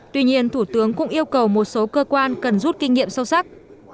tuy nhiên thủ tướng cũng yêu cầu một số cơ quan cần rút kinh nghiệm sâu sắc